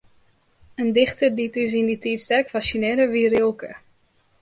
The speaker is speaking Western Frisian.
In dichter dy't ús yn dy tiid sterk fassinearre, wie Rilke.